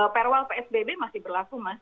perwal psbb masih berlaku mas